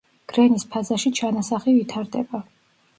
გრენის ფაზაში ჩანასახი ვითარდება.